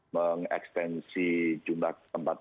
meng ekstensi jumlah tempat tidur